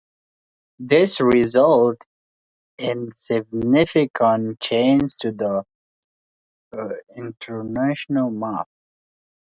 This resulted in significant changes to the electoral map.